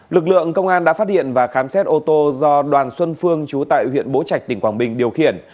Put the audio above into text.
lực lượng công an đã phát hiện và khám xét ô tô do đoàn xuân phương chú tại huyện bố trạch tỉnh quảng bình điều khiển